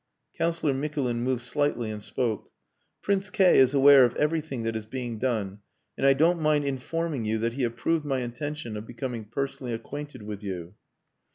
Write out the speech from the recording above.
Councillor Mikulin moved slightly and spoke. "Prince K is aware of everything that is being done, and I don't mind informing you that he approved my intention of becoming personally acquainted with you."